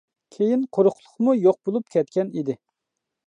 كېيىن قۇرۇقلۇقمۇ يوق بولۇپ كەتكەن ئىدى.